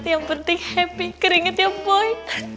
yang penting happy keringat ya boy